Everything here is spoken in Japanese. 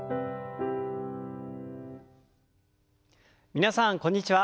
皆さんこんにちは。